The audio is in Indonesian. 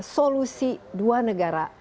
solusi dua negara